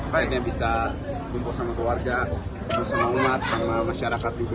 akhirnya bisa kumpul sama keluarga sama umat sama masyarakat juga